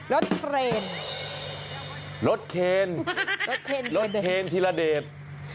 รถเครนรถเครนธิระเดช